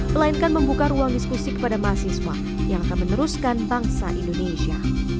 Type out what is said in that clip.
sebuah diskusi kepada mahasiswa yang akan meneruskan bangsa indonesia